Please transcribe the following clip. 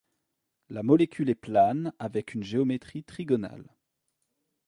La molécule est plane avec une géométrie trigonale.